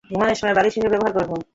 ঘুমানোর সময় বালিশ হিসাবে ব্যবহার করব?